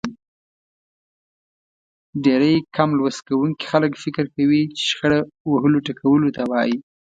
ډېری کم لوست کوونکي خلک فکر کوي چې شخړه وهلو ټکولو ته وايي.